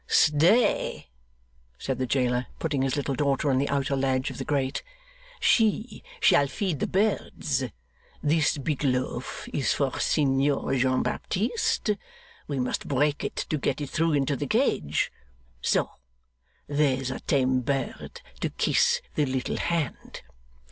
'Stay!' said the jailer, putting his little daughter on the outer ledge of the grate, 'she shall feed the birds. This big loaf is for Signor John Baptist. We must break it to get it through into the cage. So, there's a tame bird to kiss the little hand!